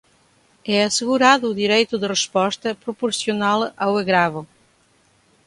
é assegurado o direito de resposta, proporcional ao agravo